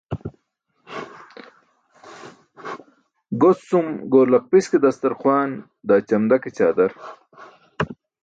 Goscum goor laqpis ke dastar xwaan, daa ćamda ke ćaadar.